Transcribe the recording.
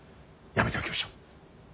やめておきましょう。